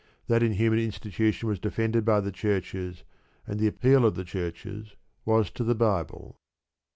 That inhuman institution was defended by the churches, and the appeal of the churches was to the Bible.